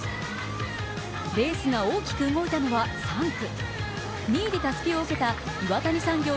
レースが大きく動いたのは３区。